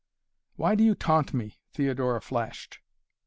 "Why do you taunt me?" Theodora flashed.